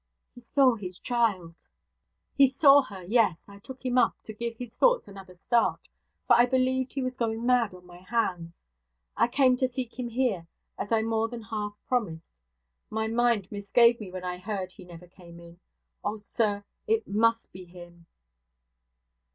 'He saw his child!' 'He saw her yes! I took him up, to give his thoughts another start; for I believed he was going mad on my hands. I came to seek him here, as I more than half promised. My mind misgave me when I heard he never came in. Oh, sir, it must be him!'